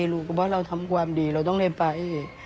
รู้ว่าเราทำความดีเราต้องได้ไป